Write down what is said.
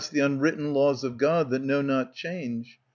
ic6 ANTIGONE The unwritten laws of God that know not change.